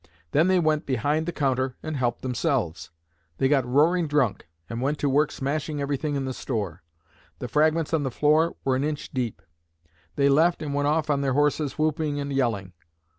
Then they went behind the counter and helped themselves. They got roaring drunk and went to work smashing everything in the store. The fragments on the floor were an inch deep. They left and went off on their horses whooping and yelling.